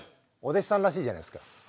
お弟子さんらしいじゃないですか。